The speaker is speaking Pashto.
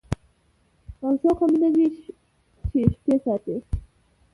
او شوخه مینه ده چي شپې ساتي